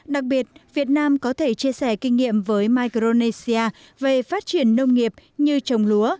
đặc biệt việt nam có thể chia sẻ kinh nghiệm với micronesia về phát triển nông nghiệp như trồng lúa